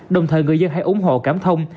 đồng thời người dân hãy ủng hộ cảm thông